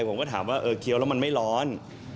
ผมก็ถามว่าเออเคี้ยวแล้วมันไม่ร้อน